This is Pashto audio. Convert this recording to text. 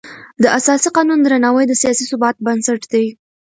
د اساسي قانون درناوی د سیاسي ثبات بنسټ دی